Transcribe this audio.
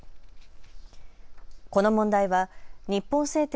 この問題は日本製鉄